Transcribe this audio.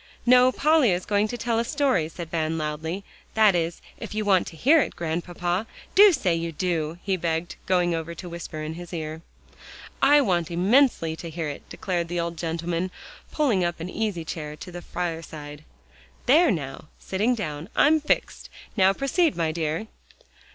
"No, Polly is going to tell a story," said Van loudly, "that is, if you want to hear it, Grandpapa. Do say you do," he begged, going over to whisper in his ear. "I want immensely to hear it!" declared the old gentleman, pulling up an easy chair to the fireside. "There now," sitting down, "I'm fixed. Now proceed, my dear."